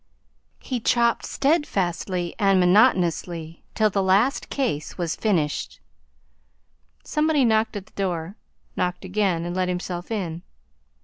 He chopped steadfastly and monotonously till the last case was finished. Somebody knocked at the door, knocked again, and let himself in.